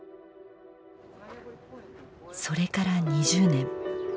それから２０年。